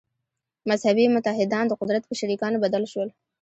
«مذهبي متحدان» د قدرت په شریکانو بدل شول.